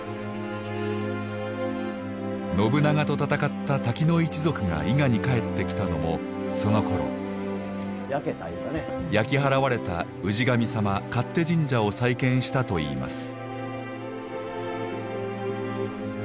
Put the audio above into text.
信長と戦った瀧野一族が伊賀に帰ってきたのもそのころ焼き払われた氏神様勝手神社を再建したといいます。